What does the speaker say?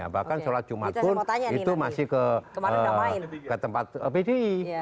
bahkan sholat jumat pun itu masih ke tempat pdi